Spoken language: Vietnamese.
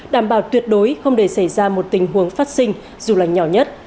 đảm bảo tuyệt đối không để xảy ra một tình huống phát sinh dù là nhỏ nhất